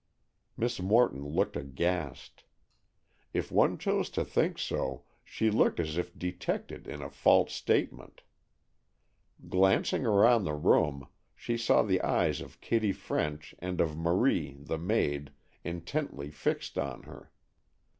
Miss Morton looked aghast. If one chose to think so, she looked as if detected in a false statement. Glancing round the room, she saw the eyes of Kitty French and of Marie, the maid, intently fixed on her.